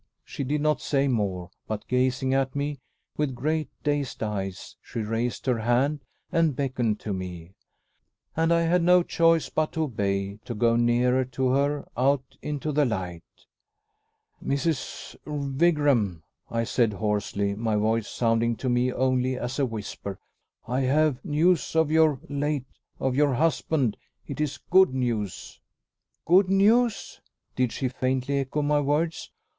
She did not say more, but gazing at me with great dazed eyes, she raised her hand, and beckoned to me. And I had no choice but to obey to go nearer to her, out into the light. "Mrs. Wigram," I said hoarsely, my voice sounding to me only as a whisper, "I have news of your late of your husband. It is good news." "Good news?" Did she faintly echo my words?